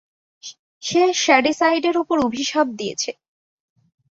সে শ্যাডিসাইডের উপর অভিশাপ দিয়েছে।